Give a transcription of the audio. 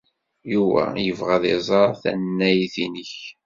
Yuba yebɣa ad iẓer tannayt-nnek.